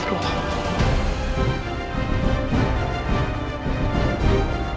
jangan memilih mati